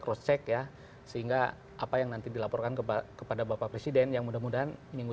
cross check ya sehingga apa yang nanti dilaporkan kepada bapak presiden yang mudah mudahan minggu